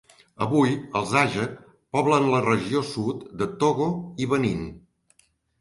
Avui, els aja poblen la regió sud de Togo i Benín.